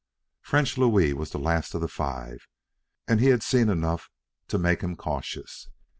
French Louis was the last of the five, and he had seen enough to make him cautious.